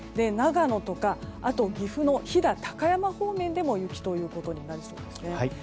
長野とか岐阜の飛騨高山方面でも雪ということになりそうです。